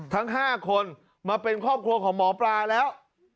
ทั้ง๕คนมาเป็นครอบครัวของหมอปลาแล้ว